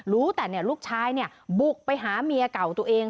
รู้แต่ลูกชายบุกไปหาเมียเก่าตัวเอง